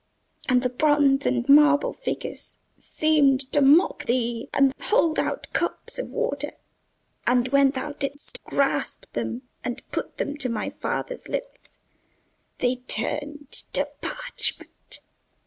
And the bronze and marble figures seemed to mock thee and hold out cups of water, and when thou didst grasp them and put them to my father's lips, they turned to parchment.